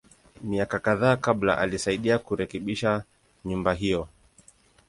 Miaka kadhaa kabla, alisaidia kurekebisha nyumba hiyo.